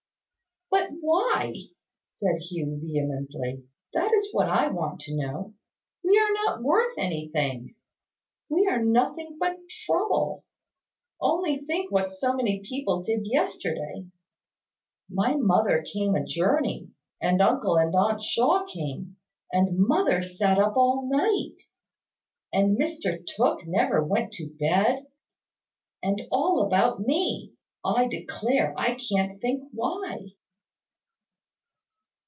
"But why?" said Hugh, vehemently. "That is what I want to know. We are not worth anything. We are nothing but trouble. Only think what so many people did yesterday! My mother came a journey; and uncle and aunt Shaw came: and mother sat up all night; and Mr Tooke never went to bed, and all about me! I declare I can't think why."